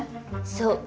そう。